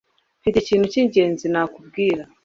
mfite ikintu cyingenzi nakubwira